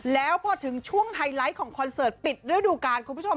แล้วพอถึงช่วงไฮไลท์ของคอนเสิร์ตปิดฤดูกาลคุณผู้ชม